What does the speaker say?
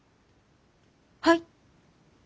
はい。